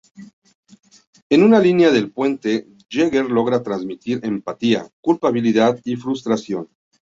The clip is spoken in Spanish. En una línea del puente, Jagger logra transmitir empatía, culpabilidad y frustración.